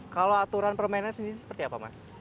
kalau aturan permainannya sendiri seperti apa mas